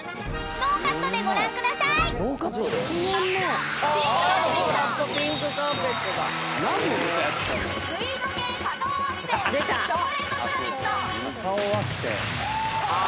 ［ノーカットでご覧ください］あ！